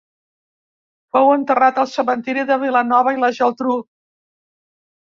Fou enterrat al cementiri de Vilanova i la Geltrú.